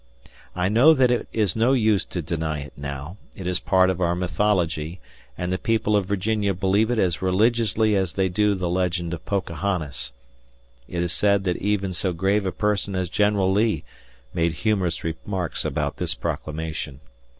I know that it is no use to deny it now it is a part of our mythology, and the people of Virginia believe it as religiously as they do the legend of Pocahontas. It is said that even so grave a person as General Lee made humorous remarks about this proclamation.